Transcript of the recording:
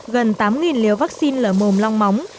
gần tám liều vaccine lở mồm long móng